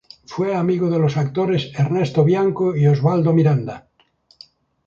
Fue amigo de los actores Ernesto Bianco, Osvaldo Miranda.